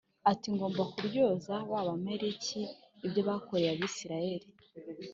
ati ngomba kuryoza b Abamaleki ibyo bakoreye Abisirayeli